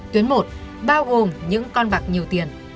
tuyến một bao gồm những con bạc nhiều tiền